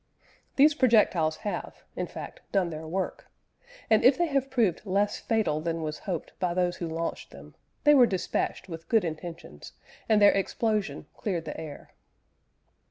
These projectiles have, in fact, done their work, and if they have proved less fatal than was hoped by those who launched them, they were dispatched with good intentions, and their explosion cleared the air.